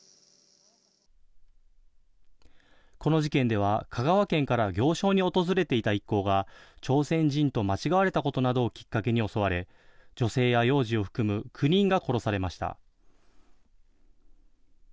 この事件では香川県から行商に訪れていた一行が、朝鮮人と間違われたことなどをきっかけに襲われ、女性や幼児を含む９人が殺されました。